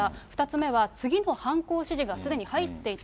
２つ目は、次の犯行指示がすでに入っていた。